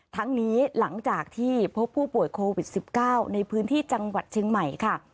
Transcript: ทั้งนี้หลังจากที่พบผู้ป่วยโควิด๑๙ในพื้นที่จังหวัดเชียงใหม่ค่ะ